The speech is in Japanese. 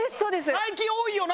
最近多いよな？